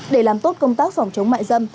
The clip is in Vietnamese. để làm tốt công tác phòng chống mại dâm